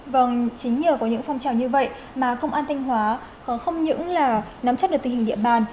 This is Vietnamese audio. vâng chính nhờ có những phong trào như vậy mà công an thanh hóa không những là nắm chắc được tình hình địa bàn